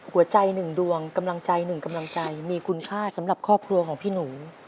หัวใจหนึ่งดวงกำลังใจหนึ่งกำลังใจมีคุณค่าสำหรับครอบครัวของพี่หนู